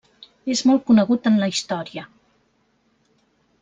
És molt conegut en la història.